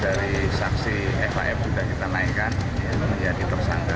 dari saksi fap sudah kita naikkan dia ditersangka